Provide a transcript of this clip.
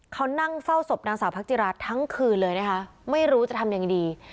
เขานั่งเฝ้าศพนางสาวพักจิราทั้งคืนเลยนะคะไม่รู้จะทำยังไงดี